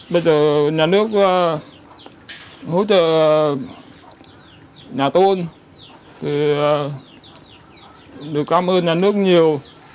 bây giờ nhà nước hỗ trợ nhà tôn thì được cảm ơn nhà nước nhiều